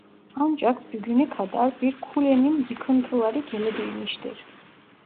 Ancak bugüne kadar bir kulenin yıkıntıları gelebilmiştir.